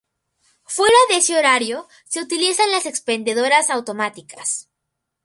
Fuera de ese horario se utilizan las expendedoras automáticas.